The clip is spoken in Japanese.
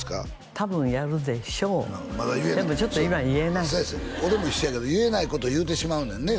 多分やるでしょうでもちょっと今言えないそやそや俺も一緒やけど言えないこと言うてしまうねんねえ？